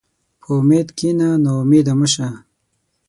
په امید کښېنه، ناامیده مه شه.